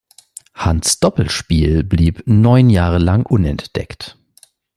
Hunts Doppelspiel blieb neun Jahre lang unentdeckt.